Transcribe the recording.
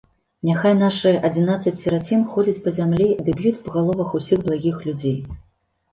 Няхай нашы адзінаццаць сірацін ходзяць па зямлі ды б'юць па галовах усіх благіх людзей!